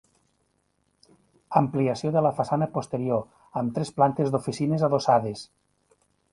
Ampliació de la façana posterior, amb tres plantes d'oficines adossades.